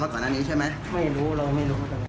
ไม่รู้เราไม่รู้ว่าจะเป็นอะไร